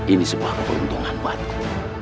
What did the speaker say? ini sebuah keuntungan buat ku